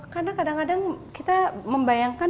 karena kadang kadang kita membayangkan